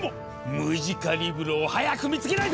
ムジカリブロを早く見つけないと！